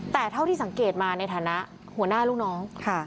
แต่เท่าที่สังเกตมาในฐานะหัวหน้าลูกน้อง